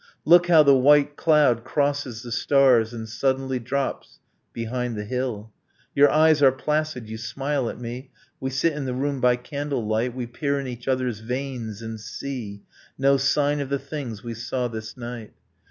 Look, how the white cloud crosses the stars And suddenly drops behind the hill! Your eyes are placid, you smile at me, We sit in the room by candle light. We peer in each other's veins and see No sign of the things we saw this night.